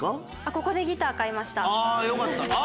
ここでギター買いました。